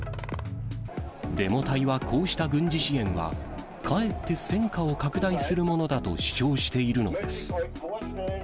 デモ隊はこうした軍事支援は、かえって戦火を拡大するものだと主張しているのです。